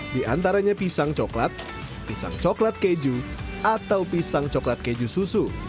di antaranya pisang coklat pisang coklat keju atau pisang coklat keju susu